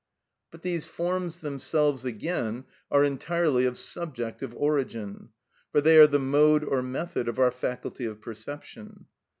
But these forms themselves again are entirely of subjective origin; for they are the mode or method of our faculty of perception.